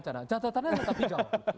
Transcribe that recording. catatannya tetap hijau